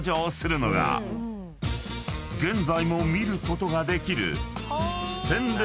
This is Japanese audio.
［現在も見ることができる］